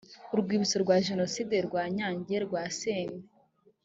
urwibutso rwa jenoside rwa nyange rwasenywe